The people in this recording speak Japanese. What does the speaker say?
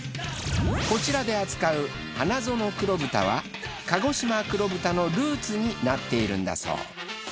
こちらで扱う花園黒豚は鹿児島黒豚のルーツになっているんだそう。